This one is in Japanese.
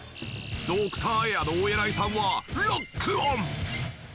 ドクターエアのお偉いさんをロックオン！